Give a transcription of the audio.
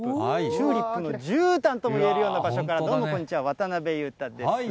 チューリップのじゅうたんともいえるような場所から、どうもこんにちは、渡辺裕太です。